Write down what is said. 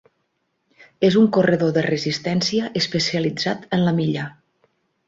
És un corredor de resistència especialitzat en la milla.